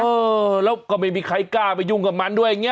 เออแล้วก็ไม่มีใครกล้าไปยุ่งกับมันด้วยอย่างนี้